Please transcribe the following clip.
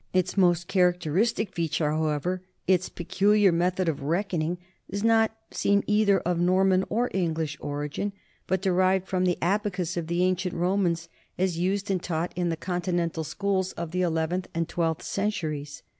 Its most characteristic feature, however, its peculiar method of reckoning, does not seem either of Norman or English origin, but derived from the abacus of the ancient Romans, as used and taught in the continental schools of the eleventh and twelfth centuries.